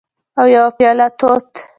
او یوه پیاله توت